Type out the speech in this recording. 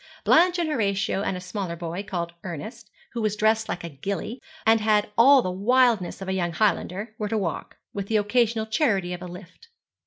Blanche and Horatio and a smaller boy, called Ernest, who was dressed like a gillie, and had all the wildness of a young Highlander, were to walk, with the occasional charity of a lift.